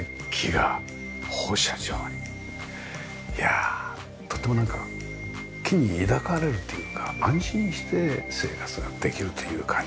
いやとってもなんか木に抱かれるというか安心して生活ができるという感じ。